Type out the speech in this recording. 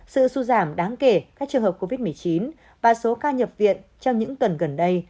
sự sụt giảm đáng kể các trường hợp covid một mươi chín và số ca nhập viện trong những tuần gần đây